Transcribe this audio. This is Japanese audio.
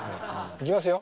行きますよ！